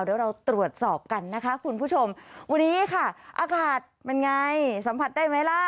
เดี๋ยวเราตรวจสอบกันนะคะคุณผู้ชมวันนี้ค่ะอากาศมันไงสัมผัสได้ไหมล่ะ